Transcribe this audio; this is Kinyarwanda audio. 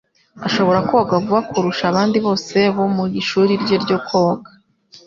ashobora koga vuba kurusha abandi bose bo mu ishuri rye ryo koga